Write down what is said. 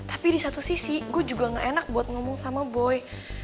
tapi di satu sisi gue juga gak enak buat ngomong sama boy